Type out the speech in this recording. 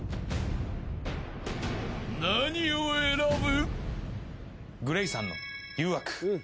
［何を選ぶ？］